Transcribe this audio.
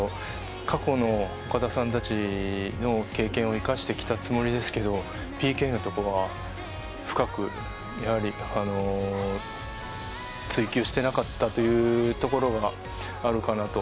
過去の岡田さんたちの経験を生かしてきたつもりですけどＰＫのところが深く追求してなかったというところがあるかなと。